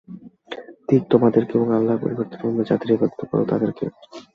ধিক্ তোমাদেরকে এবং আল্লাহর পরিবর্তে তোমরা যাদের ইবাদত কর তাদেরকে।